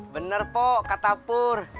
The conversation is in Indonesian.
bener po kata pur